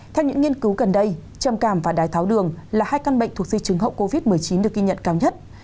theo những nghiên cứu gần đây trầm cảm và đái tháo đường là hai căn bệnh thuộc di chứng hậu covid một mươi chín được ghi nhận cao nhất